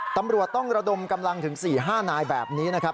ตำรวจต้องระดมกำลังถึง๔๕นายแบบนี้นะครับ